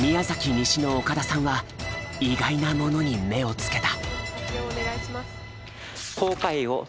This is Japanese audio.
西の岡田さんは意外なものに目をつけた。